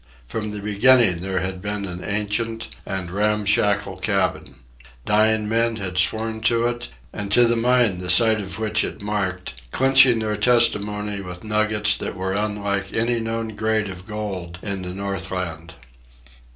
From the beginning there had been an ancient and ramshackle cabin. Dying men had sworn to it, and to the mine the site of which it marked, clinching their testimony with nuggets that were unlike any known grade of gold in the Northland.